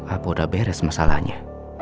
apa udah beres masalahnya